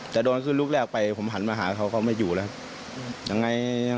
แต่โดนขึ้นลูกแรกไปผมหันมาหาเขาเขาไม่อยู่แล้วยังไง